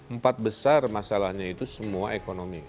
empat besar masalahnya itu semua ekonomi